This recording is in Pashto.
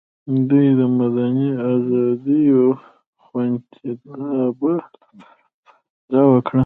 دوی د مدني ازادیو د خوندیتابه لپاره مبارزه وکړي.